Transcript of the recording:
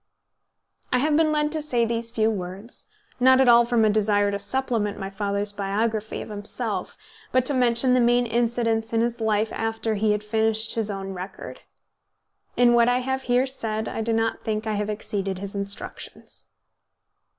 I have been led to say these few words, not at all from a desire to supplement my father's biography of himself, but to mention the main incidents in his life after he had finished his own record. In what I have here said I do not think I have exceeded his instructions.